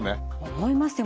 思いますよ。